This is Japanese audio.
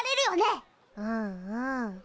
うんうん。